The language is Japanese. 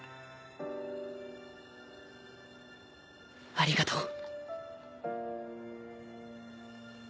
ありがとう。